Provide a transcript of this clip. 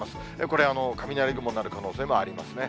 これ、雷雲になる可能性もありますね。